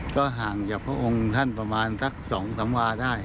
ก็ห่างจากพระองค์ท่านประมาณสัก๒๓วาได้